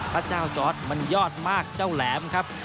พระเจ้าจอร์ดมันยอดมากเจ้าแหลมครับ